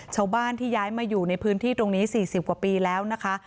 ชาวบ้านที่ย้ายมาอยู่ในพื้นที่ตรงนี้๔๐กว่าปีแล้วนะคะ